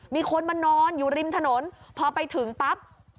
มีคนมานอนอยู่ริมถนนพอไปถึงปั๊บ